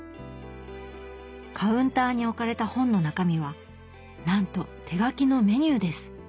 カウンターに置かれた本の中身はなんと手書きのメニューです。